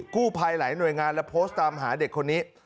กู้ภัยหลายหน่วยงานและโพสต์ตามหาเด็กคนนี้